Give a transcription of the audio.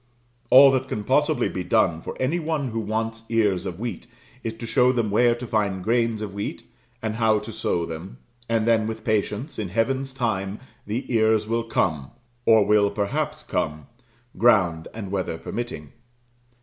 All that can possibly be done for any one who wants ears of wheat is to show them where to find grains of wheat, and how to sow them, and then, with patience, in Heaven's time, the ears will come or will perhaps come ground and weather permitting.